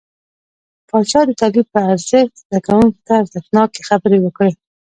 پاچا د تعليم په ارزښت، زده کوونکو ته ارزښتناکې خبرې وکړې .